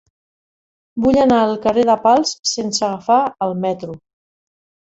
Vull anar al carrer de Pals sense agafar el metro.